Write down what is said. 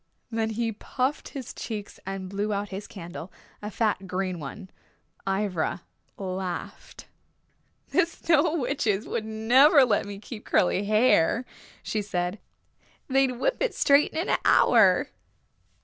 Then he puffed his cheeks and blew out his candle, a fat green one. Ivra laughed. "The Snow Witches would never let me keep curly hair," she said. "They'd whip it straight in an hour."